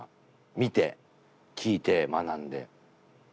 見て聞いて学んで。